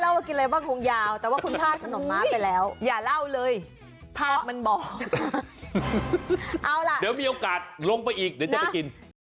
ลงไปอีกเดี๋ยวจะไปกิน